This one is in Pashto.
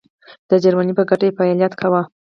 د جرمني په ګټه یې فعالیت کاوه.